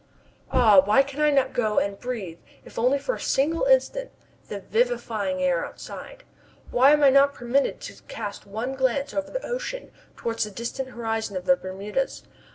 Ah! why can I not go and breathe, if only for a single instant, the vivifying air outside? Why am I not permitted to cast one glance over the ocean towards the distant horizon of the Bermudas?